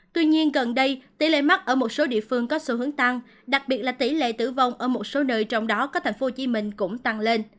tuy nhiên gần đây tỷ lệ mắc ở một số địa phương có sự hướng tăng đặc biệt là tỷ lệ tử vong ở một số nơi trong đó có thành phố hồ chí minh cũng tăng lên